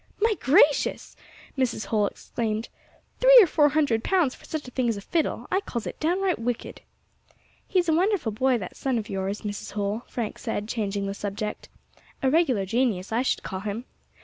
"My gracious!" Mrs. Holl exclaimed, "three or four hundred pounds for such a thing as a fiddle. I calls it downright wicked." "He is a wonderful boy that son of yours, Mrs. Holl," Frank said, changing the subject; "a regular genius I should call him.